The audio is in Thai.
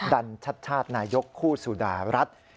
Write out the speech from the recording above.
ดันชัดชาตินายกคู่สุดารัฐ